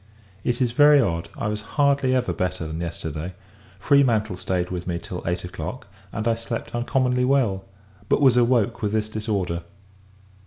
It is very odd! I was hardly ever better than yesterday. Freemantle stayed with me till eight o'clock, and I slept uncommonly well; but, was awoke with this disorder.